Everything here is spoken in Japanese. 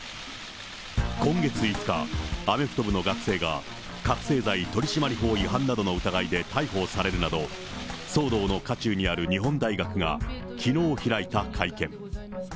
今月５日、アメフト部の学生が、覚醒剤取締法違反などの疑いで逮捕されるなど、騒動の渦中にある日本大学が、きのう開いた会見。